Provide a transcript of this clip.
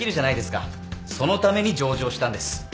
そのために上場したんです。